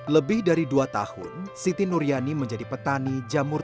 lebih dari dua tahun siti nuryani menjadi petani jamur